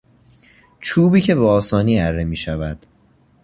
چوبی که به آسانی اره میشود